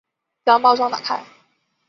将包装打开